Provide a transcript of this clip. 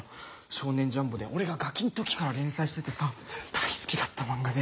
「少年ジャンボ」で俺がガキん時から連載しててさ大好きだった漫画で。